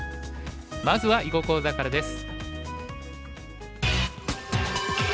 まずは囲碁講座からです。